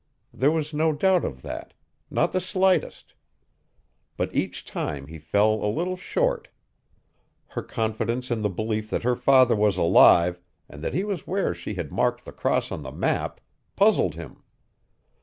There was no doubt of that not the slightest. But each time he fell a little short. Her confidence in the belief that her father was alive, and that he was where she had marked the cross on the map, puzzled him.